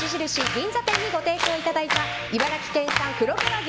銀座店にご提供いただいた茨城県産黒毛和牛